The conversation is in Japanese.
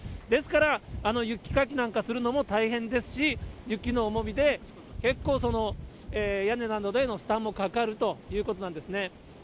ですから雪かきなんかするのも大変ですし、雪の重みで結構、屋根などへの負担もかかるということなんですね。